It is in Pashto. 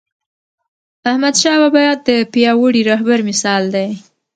احمدشاه بابا د پیاوړي رهبر مثال دی..